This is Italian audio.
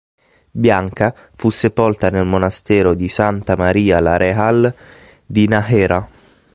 Bianca fu sepolta nel monastero di Santa Maria la Real di Nájera.